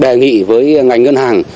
đề nghị với ngành ngân hàng